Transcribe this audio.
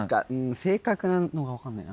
正確なのが分かんないな。